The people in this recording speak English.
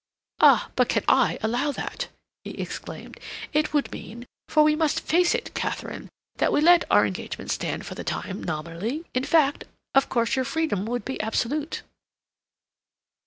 "Ah, but can I allow that?" he exclaimed. "It would mean—for we must face it, Katharine—that we let our engagement stand for the time nominally; in fact, of course, your freedom would be absolute."